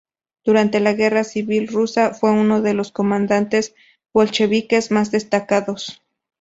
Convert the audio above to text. Durante la Guerra Civil Rusa, fue uno de los comandantes bolcheviques más destacados.